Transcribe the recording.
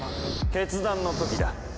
決断の時だ。